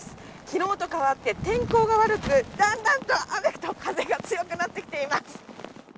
昨日と変わって天候が悪く、だんだんと雨と風が強くなってきています。